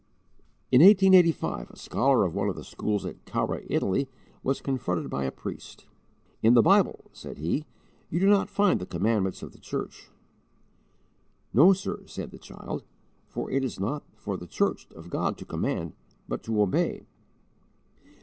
In 1885, a scholar of one of the schools at Carrara, Italy, was confronted by a priest. "In the Bible," said he, "you do not find the commandments of the church." "No, sir," said the child, "for it is not for the church of God to command, but to _obey."